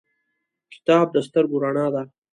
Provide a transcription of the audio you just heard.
کتاب د سترګو رڼا ده